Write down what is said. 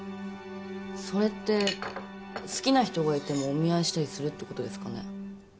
それって好きな人がいてもお見合いしたりするってことですかね？